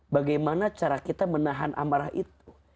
bagaimana cara kita menahan amarah itu